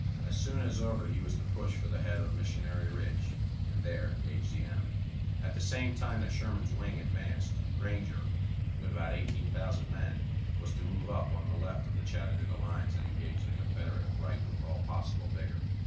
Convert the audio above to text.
As soon as over he was to push for the head of Missionary Ridge, and there engage the enemy. At the same time that Sherman's wing advanced, Granger, with about eighteen thousand men, was to move up on the left of the Chattanooga lines and engage the Confederate right with all possible vigor.